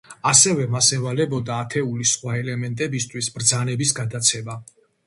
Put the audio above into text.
ასევე, მას ევალებოდა ათეულის სხვა ელემენტებისთვის ბრძანების გადაცემა.